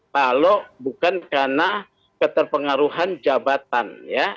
kalau bukan karena keterpengaruhan jabatan ya